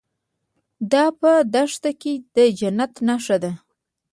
دا په دښته کې د جنت نښه ده.